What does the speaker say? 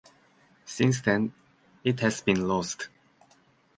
Since then it has been lost.